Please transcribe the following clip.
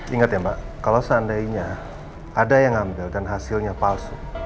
ingat ya mbak kalau seandainya ada yang ngambil dan hasilnya palsu